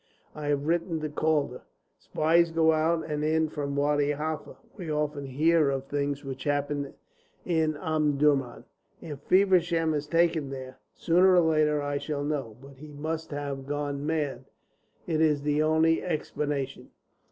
I have written to Calder. Spies go out and in from Wadi Halfa. We often hear of things which happen in Omdurman. If Feversham is taken there, sooner or later I shall know. But he must have gone mad. It is the only explanation."